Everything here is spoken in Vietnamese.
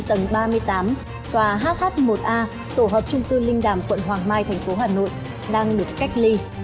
tầng ba mươi tám tòa hh một a tổ hợp trung cư linh đàm quận hoàng mai thành phố hà nội đang được cách ly